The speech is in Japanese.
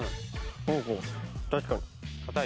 確かに。